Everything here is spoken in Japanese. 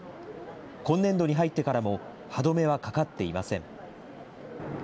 今年度に入ってからも、歯止めはかかっていません。